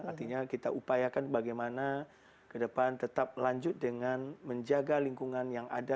artinya kita upayakan bagaimana ke depan tetap lanjut dengan menjaga lingkungan yang ada